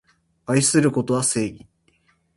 愛することは正義